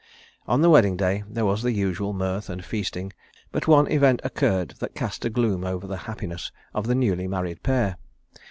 On the wedding day there was the usual mirth and feasting, but one event occurred that cast a gloom over the happiness of the newly married pair.